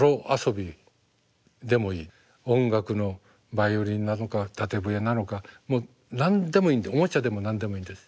音楽のバイオリンなのか縦笛なのかもう何でもいいんでおもちゃでも何でもいいんです。